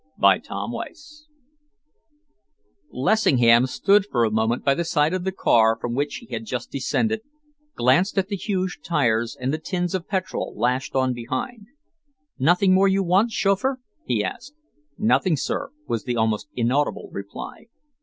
CHAPTER XXXI Lessingham stood for a moment by the side of the car from which he had just descended, glanced at the huge tyres and the tins of petrol lashed on behind. "Nothing more you want, chauffeur?" he asked. "Nothing, sir," was the almost inaudible reply.